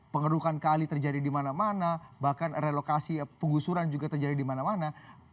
pengerukan kali terjadi dimana mana bahkan relokasi pengusuran juga terjadi dimana mana